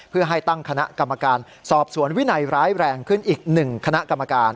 เพื่อให้ตั้งคณะกรรมการสอบสวนวินัยร้ายแรงขึ้นอีก๑คณะกรรมการ